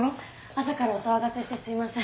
朝からお騒がせしてすいません。